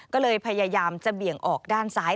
ก็เลยพยายามจะเบี่ยงออกด้านซ้าย